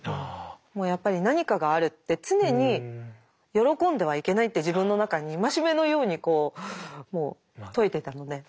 もうやっぱり何かがあるって常に喜んではいけないって自分の中に戒めのようにこうもう説いてたので。